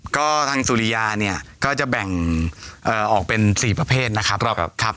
ก็ทางสุริยาเนี่ยก็จะแบ่งออกเป็น๔ประเภทนะครับ